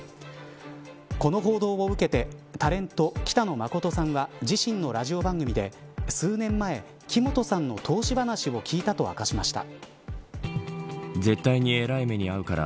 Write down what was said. この報道を受けてタレント、北野誠さんは自身のラジオ番組で数年前、木本さんの投資話を聞いたと明かしました。